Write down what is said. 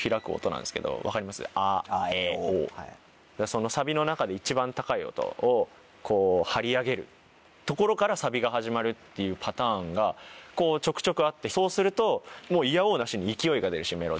そのサビの中で一番高い音を張り上げるところからサビが始まるっていうパターンがちょくちょくあってそうするといや応なしに。